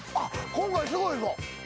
今回すごいぞ。